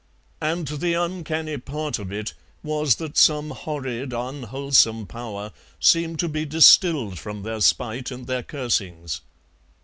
And the uncanny part of it was that some horrid unwholesome power seemed to be distilled from their spite and their cursings.